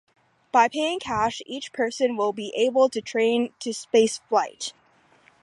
By paying cash, each person will be able to train to spaceflight.